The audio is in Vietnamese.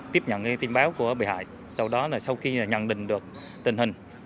tiếp nhận tin báo của bị hại sau đó là sau khi nhận định được tình hình